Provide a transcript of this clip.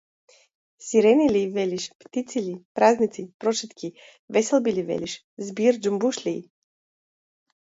Сирени ли, велиш, птици ли, празници, прошетки, веселби ли велиш, збир џумбушлии?